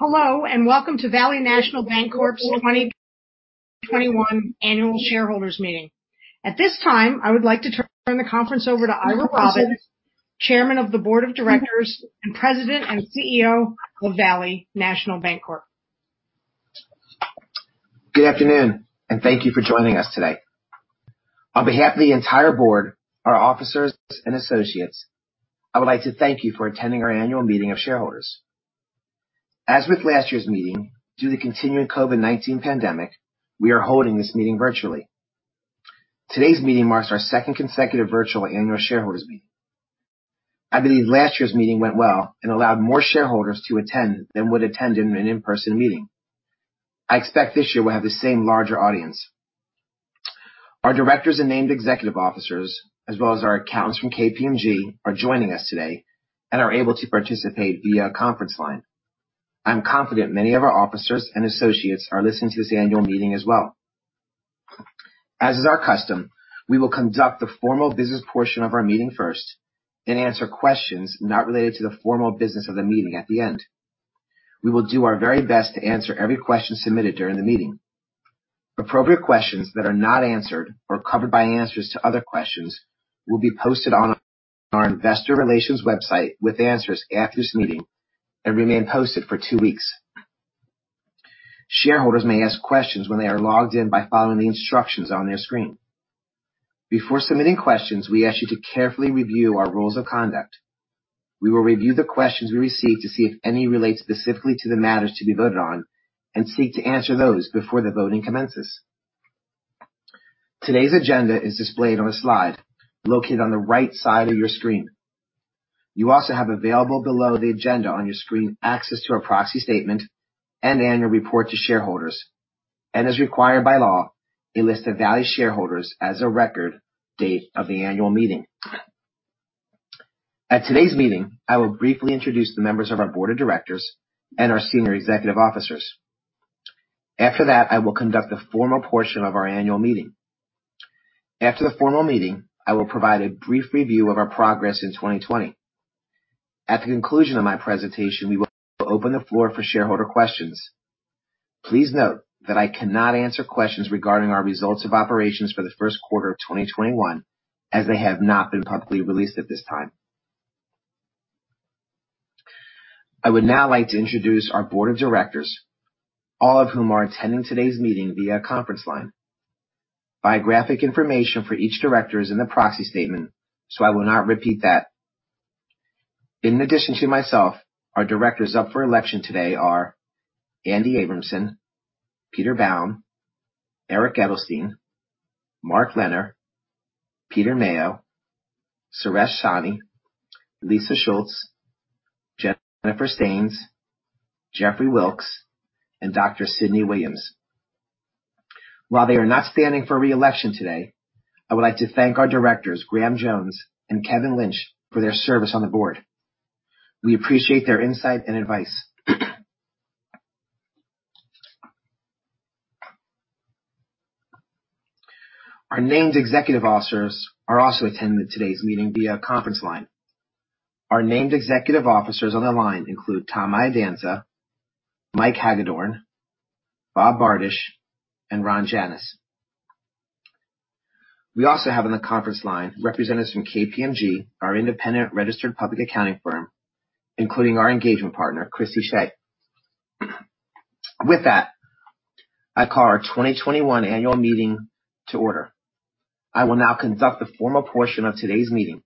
Hello, welcome to Valley National Bancorp's 2021 annual shareholders meeting. At this time, I would like to turn the conference over to Ira Robbins, Chairman of the Board of Directors and President and CEO of Valley National Bancorp. Good afternoon, and thank you for joining us today. On behalf of the entire board, our officers, and associates, I would like to thank you for attending our annual meeting of shareholders. As with last year's meeting, due to the continuing COVID-19 pandemic, we are holding this meeting virtually. Today's meeting marks our second consecutive virtual annual shareholders meeting. I believe last year's meeting went well and allowed more shareholders to attend than would attend in an in-person meeting. I expect this year we'll have the same larger audience. Our directors and named executive officers, as well as our accountants from KPMG, are joining us today and are able to participate via conference line. I'm confident many of our officers and associates are listening to this annual meeting as well. As is our custom, we will conduct the formal business portion of our meeting first and answer questions not related to the formal business of the meeting at the end. We will do our very best to answer every question submitted during the meeting. Appropriate questions that are not answered or covered by answers to other questions will be posted on our investor relations website with answers after this meeting and remain posted for two weeks. Shareholders may ask questions when they are logged in by following the instructions on their screen. Before submitting questions, we ask you to carefully review our rules of conduct. We will review the questions we receive to see if any relate specifically to the matters to be voted on and seek to answer those before the voting commences. Today's agenda is displayed on a slide located on the right side of your screen. You also have available below the agenda on your screen access to our proxy statement and annual report to shareholders, and as required by law, a list of Valley shareholders as of record date of the annual meeting. At today's meeting, I will briefly introduce the members of our board of directors and our senior executive officers. After that, I will conduct the formal portion of our annual meeting. After the formal meeting, I will provide a brief review of our progress in 2020. At the conclusion of my presentation, we will open the floor for shareholder questions. Please note that I cannot answer questions regarding our results of operations for the first quarter of 2021, as they have not been publicly released at this time. I would now like to introduce our board of directors, all of whom are attending today's meeting via conference line. Biographic information for each director is in the proxy statement, so I will not repeat that. In addition to myself, our directors up for election today are Andy Abramson, Peter Baum, Eric Edelstein, Marc Lenner, Peter Maio, Suresh Sani, Lisa Schultz, Jennifer Steans, Jeffrey Wilks, and Dr. Sidney Williams. While they are not standing for re-election today, I would like to thank our directors, Graham Jones and Kevin Lynch, for their service on the board. We appreciate their insight and advice. Our named executive officers are also attending today's meeting via conference line. Our named executive officers on the line include Tom Iadanza, Mike Hagedorn, Bob Bardusch, and Ron Janis. We also have on the conference line representatives from KPMG, our independent registered public accounting firm, including our engagement partner, Christy Shea. With that, I call our 2021 annual meeting to order. I will now conduct the formal portion of today's meeting.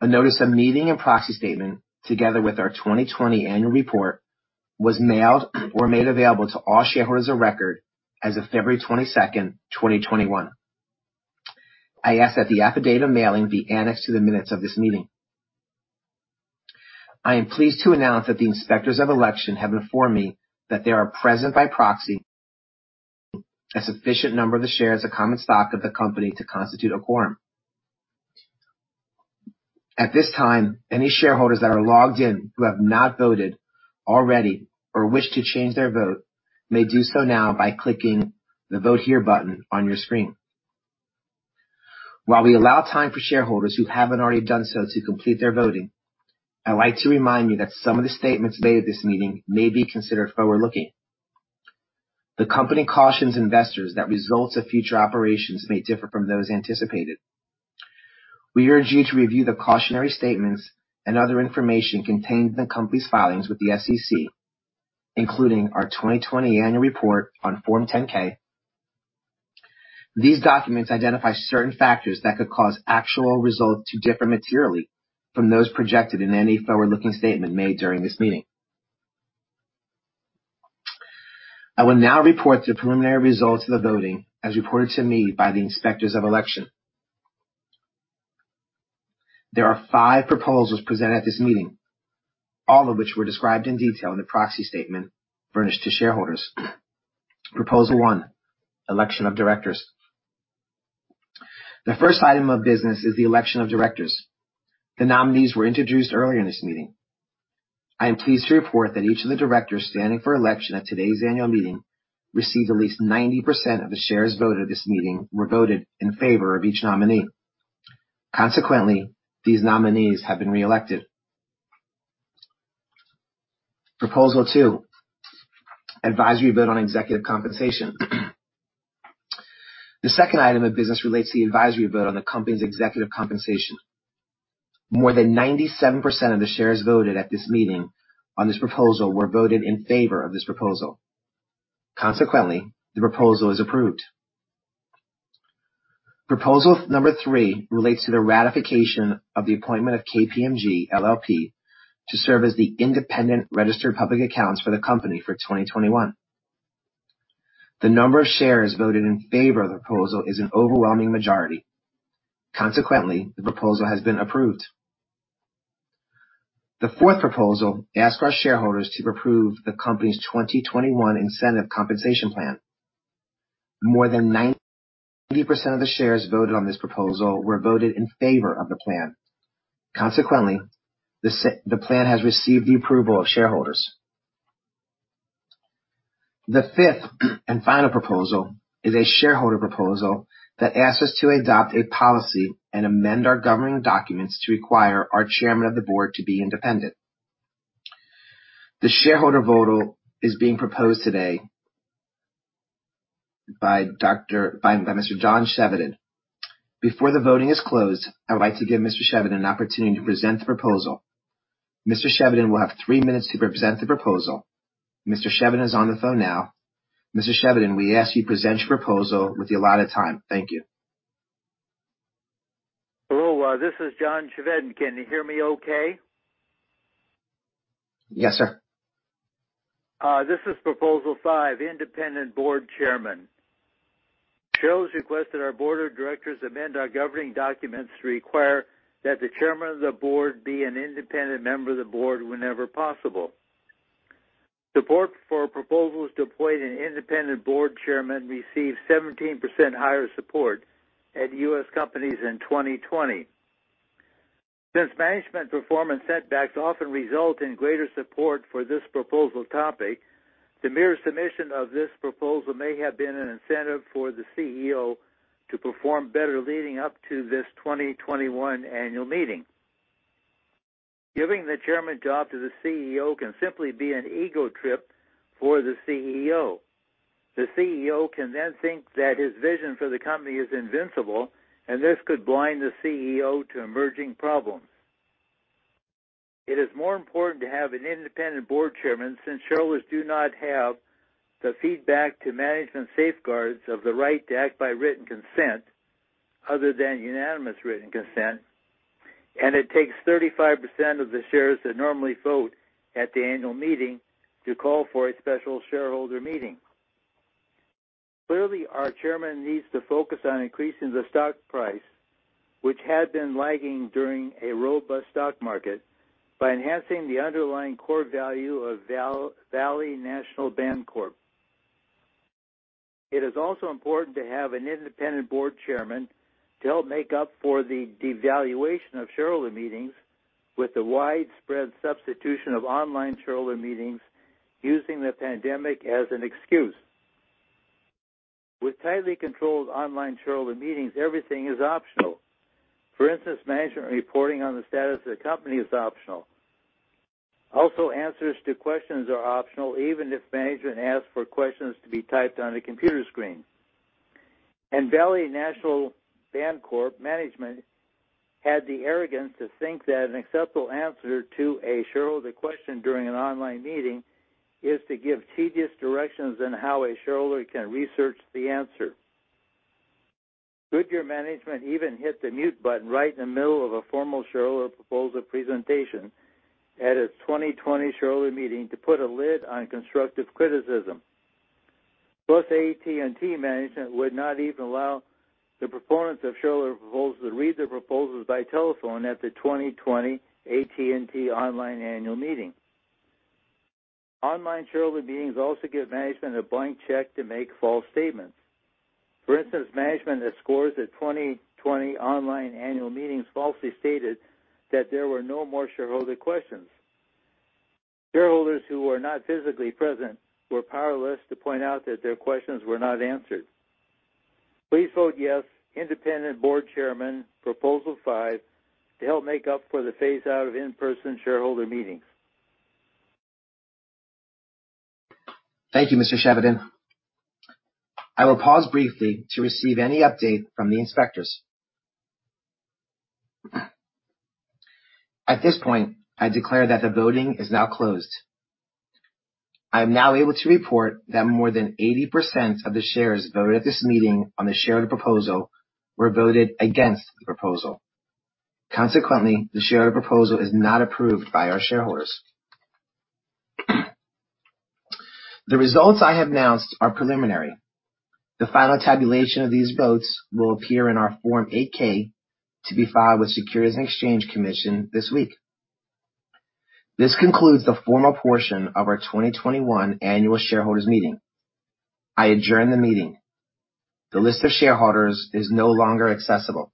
A notice of meeting and proxy statement, together with our 2020 annual report, was mailed or made available to all shareholders of record as of February 22nd, 2021. I ask that the affidavit of mailing be annexed to the minutes of this meeting. I am pleased to announce that the Inspectors of Election have informed me that there are present by proxy a sufficient number of the shares of common stock of the company to constitute a quorum. At this time, any shareholders that are logged in who have not voted already or wish to change their vote may do so now by clicking the Vote Here button on your screen. While we allow time for shareholders who haven't already done so to complete their voting, I'd like to remind you that some of the statements made at this meeting may be considered forward-looking. The company cautions investors that results of future operations may differ from those anticipated. We urge you to review the cautionary statements and other information contained in the company's filings with the SEC, including our 2020 annual report on Form 10-K. These documents identify certain factors that could cause actual results to differ materially from those projected in any forward-looking statement made during this meeting. I will now report the preliminary results of the voting as reported to me by the Inspectors of Election. There are five proposals presented at this meeting, all of which were described in detail in the proxy statement furnished to shareholders. Proposal one, election of directors. The first item of business is the election of directors. The nominees were introduced earlier in this meeting. I am pleased to report that each of the directors standing for election at today's annual meeting received at least 90% of the shares voted at this meeting were voted in favor of each nominee. Consequently, these nominees have been reelected. Proposal two, advisory vote on executive compensation. The second item of business relates to the advisory vote on the company's executive compensation. More than 97% of the shares voted at this meeting on this proposal were voted in favor of this proposal. Consequently, the proposal is approved. Proposal number three relates to the ratification of the appointment of KPMG LLP to serve as the independent registered public accounts for the company for 2021. The number of shares voted in favor of the proposal is an overwhelming majority. Consequently, the proposal has been approved. The fourth proposal asks our shareholders to approve the company's 2021 incentive compensation plan. More than 90% of the shares voted on this proposal were voted in favor of the plan. Consequently, the plan has received the approval of shareholders. The fifth and final proposal is a shareholder proposal that asks us to adopt a policy and amend our governing documents to require our chairman of the board to be independent. The shareholder vote is being proposed today by Mr. John Chevedden. Before the voting is closed, I would like to give Mr. Chevedden an opportunity to present the proposal. Mr. Chevedden will have three minutes to present the proposal. Mr. Chevedden is on the phone now. Mr. Chevedden, we ask you present your proposal with the allotted time. Thank you. Hello, this is John Chevedden. Can you hear me okay? Yes, sir. This is Proposal five, independent board chairman. Shares request that our board of directors amend our governing documents to require that the chairman of the board be an independent member of the board whenever possible. Support for proposals to appoint an independent board chairman received 17% higher support at U.S. companies in 2020. Since management performance setbacks often result in greater support for this proposal topic, the mere submission of this proposal may have been an incentive for the CEO to perform better leading up to this 2021 annual meeting. Giving the chairman job to the CEO can simply be an ego trip for the CEO. CEO can then think that his vision for the company is invincible, and this could blind the CEO to emerging problems. It is more important to have an independent board chairman since shareholders do not have the feedback to management safeguards of the right to act by written consent, other than unanimous written consent, and it takes 35% of the shares that normally vote at the annual meeting to call for a special shareholder meeting. Clearly, our chairman needs to focus on increasing the stock price, which had been lagging during a robust stock market, by enhancing the underlying core value of Valley National Bancorp. It is also important to have an independent board chairman to help make up for the devaluation of shareholder meetings with the widespread substitution of online shareholder meetings using the pandemic as an excuse. With tightly controlled online shareholder meetings, everything is optional. For instance, management reporting on the status of the company is optional. Also, answers to questions are optional, even if management asks for questions to be typed on a computer screen. Valley National Bancorp management had the arrogance to think that an acceptable answer to a shareholder question during an online meeting is to give tedious directions on how a shareholder can research the answer. Goodyear management even hit the mute button right in the middle of a formal shareholder proposal presentation at its 2020 shareholder meeting to put a lid on constructive criticism. Plus, AT&T management would not even allow the proponents of shareholder proposals to read their proposals by telephone at the 2020 AT&T online annual meeting. Online shareholder meetings also give management a blank check to make false statements. For instance, management at scores of 2020 online annual meetings falsely stated that there were no more shareholder questions. Shareholders who were not physically present were powerless to point out that their questions were not answered. Please vote yes, independent board chairman Proposal five, to help make up for the phase-out of in-person shareholder meetings. Thank you, Mr. Chevedden. I will pause briefly to receive any update from the inspectors. At this point, I declare that the voting is now closed. I am now able to report that more than 80% of the shares voted at this meeting on the shareholder proposal were voted against the proposal. Consequently, the shareholder proposal is not approved by our shareholders. The results I have announced are preliminary. The final tabulation of these votes will appear in our Form 8-K to be filed with Securities and Exchange Commission this week. This concludes the formal portion of our 2021 annual shareholders meeting. I adjourn the meeting. The list of shareholders is no longer accessible.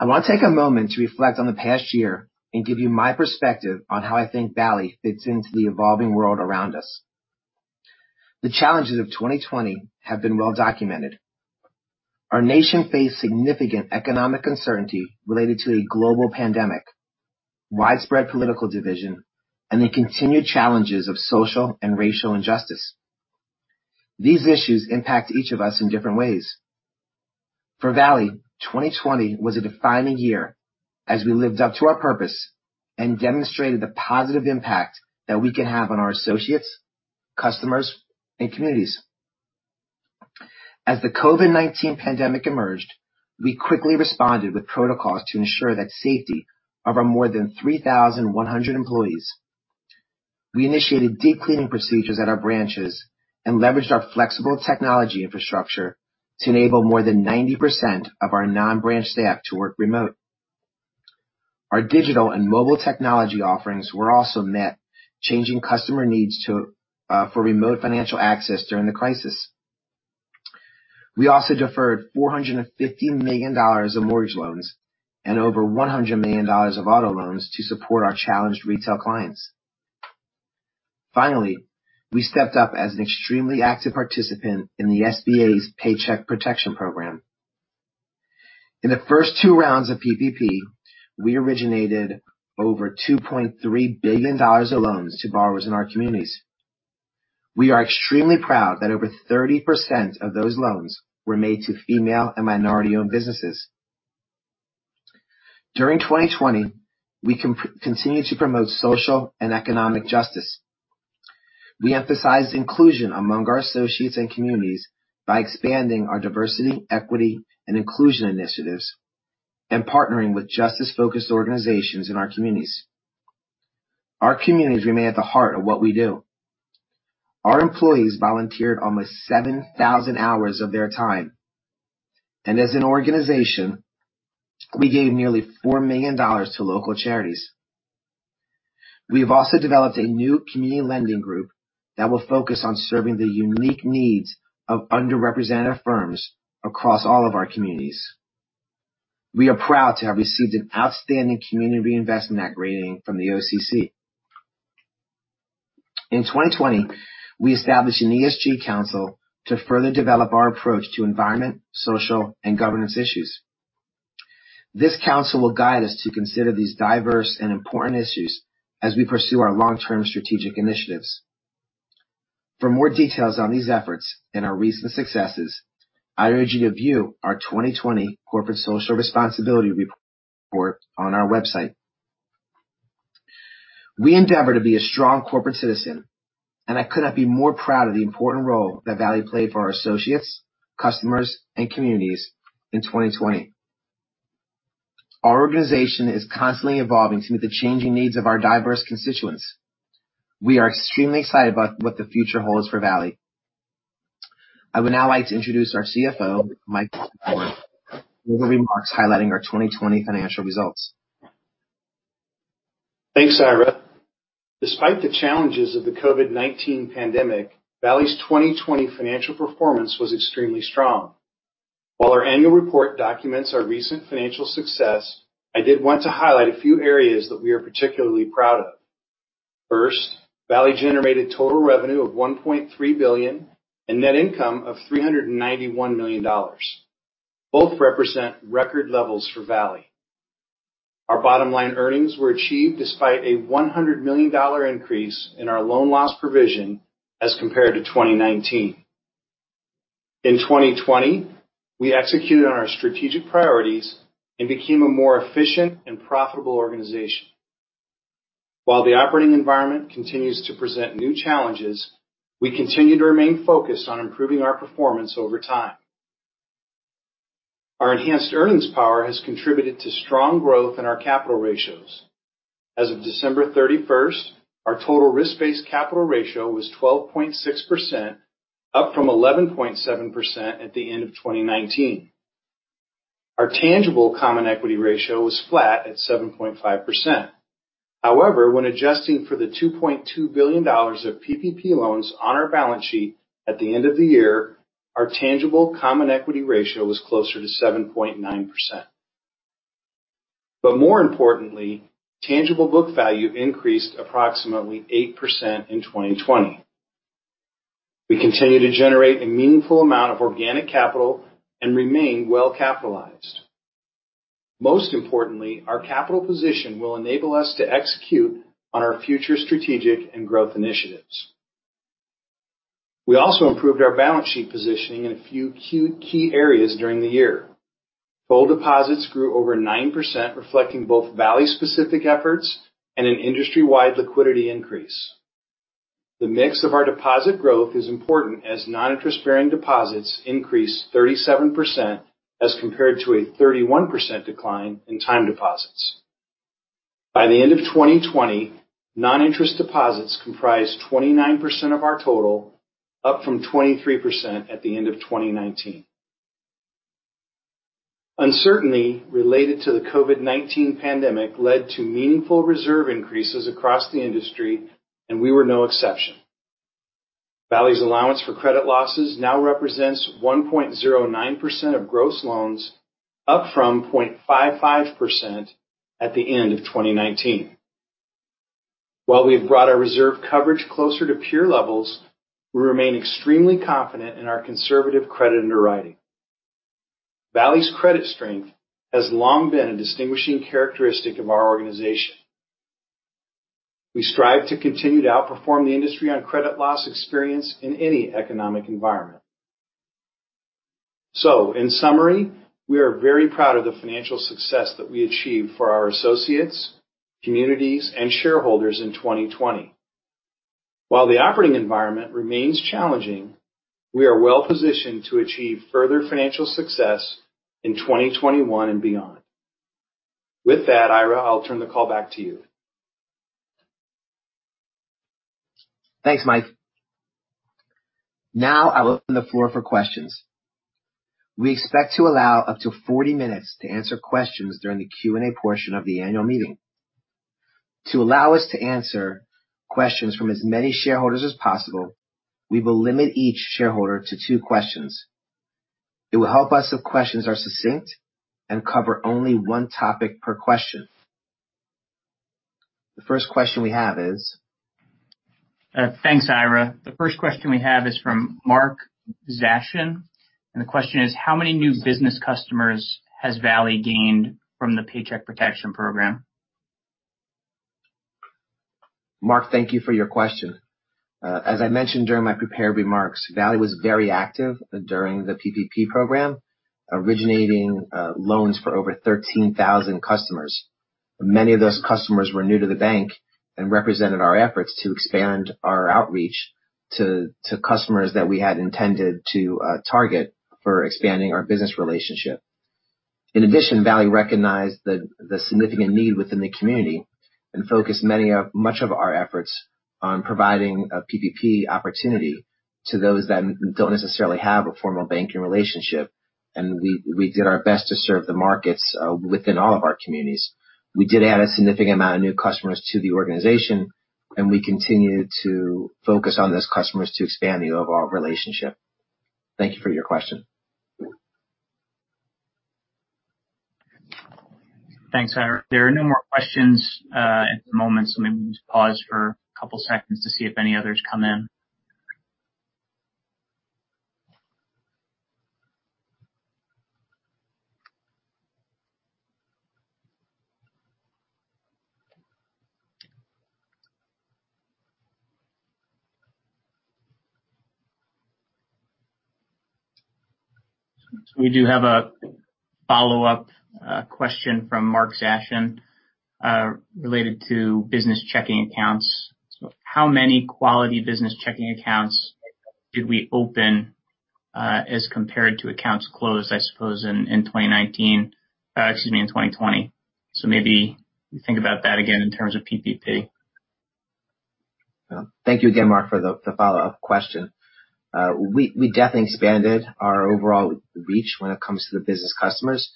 I want to take a moment to reflect on the past year and give you my perspective on how I think Valley fits into the evolving world around us. The challenges of 2020 have been well-documented. Our nation faced significant economic uncertainty related to a global pandemic, widespread political division, and the continued challenges of social and racial injustice. These issues impact each of us in different ways. For Valley, 2020 was a defining year as we lived up to our purpose and demonstrated the positive impact that we can have on our associates, customers, and communities. As the COVID-19 pandemic emerged, we quickly responded with protocols to ensure the safety of our more than 3,100 employees. We initiated deep cleaning procedures at our branches and leveraged our flexible technology infrastructure to enable more than 90% of our non-branch staff to work remote. Our digital and mobile technology offerings were also met, changing customer needs for remote financial access during the crisis. We also deferred $450 million of mortgage loans and over $100 million of auto loans to support our challenged retail clients. Finally, we stepped up as an extremely active participant in the SBA's Paycheck Protection Program. In the first two rounds of PPP, we originated over $2.3 billion of loans to borrowers in our communities. We are extremely proud that over 30% of those loans were made to female and minority-owned businesses. During 2020, we continued to promote social and economic justice. We emphasized inclusion among our associates and communities by expanding our diversity, equity, and inclusion initiatives and partnering with justice-focused organizations in our communities. Our communities remain at the heart of what we do. Our employees volunteered almost 7,000 hours of their time, and as an organization, we gave nearly $4 million to local charities. We have also developed a new community lending group that will focus on serving the unique needs of underrepresented firms across all of our communities. We are proud to have received an outstanding community reinvestment grading from the OCC. In 2020, we established an ESG council to further develop our approach to environment, social, and governance issues. This council will guide us to consider these diverse and important issues as we pursue our long-term strategic initiatives. For more details on these efforts and our recent successes, I urge you to view our 2020 corporate social responsibility report on our website. We endeavor to be a strong corporate citizen, I could not be more proud of the important role that Valley played for our associates, customers, and communities in 2020. Our organization is constantly evolving to meet the changing needs of our diverse constituents. We are extremely excited about what the future holds for Valley. I would now like to introduce our CFO, Mike Hagedorn, with remarks highlighting our 2020 financial results. Thanks, Ira. Despite the challenges of the COVID-19 pandemic, Valley's 2020 financial performance was extremely strong. Our annual report documents our recent financial success, I did want to highlight a few areas that we are particularly proud of. First, Valley generated total revenue of $1.3 billion and net income of $391 million. Both represent record levels for Valley. Our bottom-line earnings were achieved despite a $100 million increase in our loan loss provision as compared to 2019. In 2020, we executed on our strategic priorities and became a more efficient and profitable organization. The operating environment continues to present new challenges, we continue to remain focused on improving our performance over time. Our enhanced earnings power has contributed to strong growth in our capital ratios. As of December 31st, our total risk-based capital ratio was 12.6%, up from 11.7% at the end of 2019. Our tangible common equity ratio was flat at 7.5%. When adjusting for the $2.2 billion of PPP loans on our balance sheet at the end of the year, our tangible common equity ratio was closer to 7.9%. More importantly, tangible book value increased approximately 8% in 2020. We continue to generate a meaningful amount of organic capital and remain well-capitalized. Most importantly, our capital position will enable us to execute on our future strategic and growth initiatives. We also improved our balance sheet positioning in a few key areas during the year. Total deposits grew over 9%, reflecting both Valley-specific efforts and an industry-wide liquidity increase. The mix of our deposit growth is important as non-interest-bearing deposits increased 37%, as compared to a 31% decline in time deposits. By the end of 2020, non-interest deposits comprised 29% of our total, up from 23% at the end of 2019. Uncertainty related to the COVID-19 pandemic led to meaningful reserve increases across the industry, we were no exception. Valley's allowance for credit losses now represents 1.09% of gross loans, up from 0.55% at the end of 2019. While we have brought our reserve coverage closer to peer levels, we remain extremely confident in our conservative credit underwriting. Valley's credit strength has long been a distinguishing characteristic of our organization. We strive to continue to outperform the industry on credit loss experience in any economic environment. In summary, we are very proud of the financial success that we achieved for our associates, communities, and shareholders in 2020. While the operating environment remains challenging, we are well-positioned to achieve further financial success in 2021 and beyond. With that, Ira, I'll turn the call back to you. Thanks, Mike. Now I will open the floor for questions. We expect to allow up to 40 minutes to answer questions during the Q and A portion of the annual meeting. To allow us to answer questions from as many shareholders as possible, we will limit each shareholder to two questions. It will help us if questions are succinct and cover only one topic per question. The first question we have is. Thanks, Ira. The first question we have is from Marc Saeger, and the question is, how many new business customers has Valley gained from the Paycheck Protection Program? Marc, thank you for your question. As I mentioned during my prepared remarks, Valley was very active during the PPP program, originating loans for over 13,000 customers. Many of those customers were new to the bank and represented our efforts to expand our outreach to customers that we had intended to target for expanding our business relationship. In addition, Valley recognized the significant need within the community and focused much of our efforts on providing a PPP opportunity to those that don't necessarily have a formal banking relationship, and we did our best to serve the markets within all of our communities. We did add a significant amount of new customers to the organization, and we continue to focus on those customers to expand the overall relationship. Thank you for your question. Thanks, Ira. There are no more questions at the moment, maybe we just pause for a couple seconds to see if any others come in. We do have a follow-up question from Marc Saeger related to business checking accounts. How many quality business checking accounts did we open as compared to accounts closed, I suppose, in 2019, excuse me, in 2020? Maybe you think about that again in terms of PPP. Thank you again, Marc, for the follow-up question. We definitely expanded our overall reach when it comes to the business customers,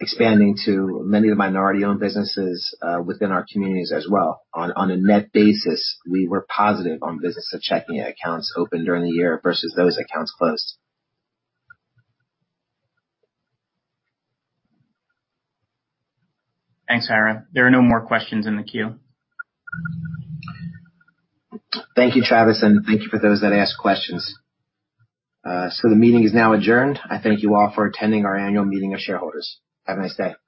expanding to many of the minority-owned businesses within our communities as well. On a net basis, we were positive on business checking accounts opened during the year versus those accounts closed. Thanks, Ira. There are no more questions in the queue. Thank you, Travis. Thank you for those that asked questions. The meeting is now adjourned. I thank you all for attending our annual meeting of shareholders. Have a nice day.